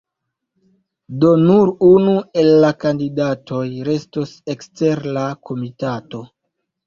Do nur unu el la kandidatoj restos ekster la komitato.